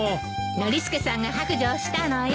ノリスケさんが白状したのよ。